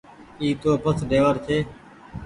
اي تو بس ڍيور ڇي۔